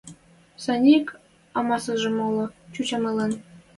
Сеньӹк амасажым моло чӱчӓм ылын.